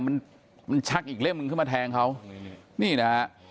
มันมันชักอีกเล่มหนึ่งขึ้นมาแทงเขานี่นะฮะ